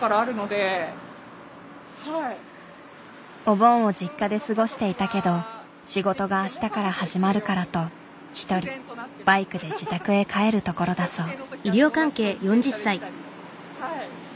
お盆を実家で過ごしていたけど仕事が明日から始まるからと一人バイクで自宅へ帰るところだそう。